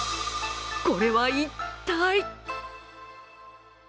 これは一体？